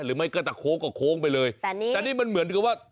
หรือไม่ก็จะโค้งก็โค้งไปเลยแต่นี่แต่นี่มันเหมือนกับว่า